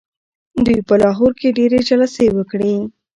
دوی په لاهور کي ډیري جلسې وکړې.